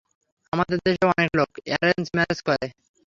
আমাদের দেশে অনেক লোক, অ্যারেন্জ ম্যারেজ করে।